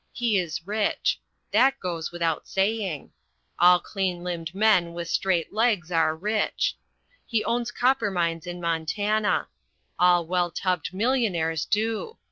He is rich. That goes without saying. All clean limbed men with straight legs are rich. He owns copper mines in Montana. All well tubbed millionaires do.